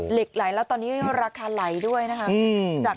เหล็กไหลแล้วตอนนี้ราคาไหลด้วยนะคะ